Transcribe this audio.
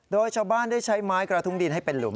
โดยชาวบ้านได้ใช้ไม้กระทุ้งดินให้เป็นหลุม